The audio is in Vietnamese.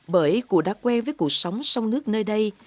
bởi cụ đã quen với cuộc sống sông nước nơi đây